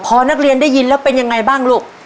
พอนักเรียนได้ยินแล้วเป็นยังไงบ้างลูก